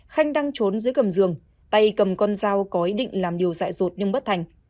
khanh đang trốn dưới cầm giường tay cầm con dao có ý định làm điều dạy rột nhưng bất thành